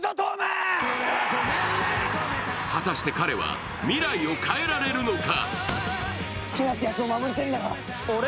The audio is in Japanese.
果たして彼は、未来を変えられるのか。